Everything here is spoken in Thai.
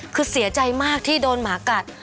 คือเสียใจมากที่โดนหมากัด